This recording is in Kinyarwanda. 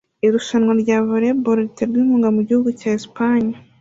Irushanwa rya volley ball riterwa inkunga mugihugu cya Espagne